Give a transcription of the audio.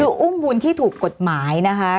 คืออุ้มบุญที่ถูกกฎหมายนะคะ